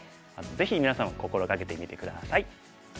ぜひみなさんも心掛けてみて下さい。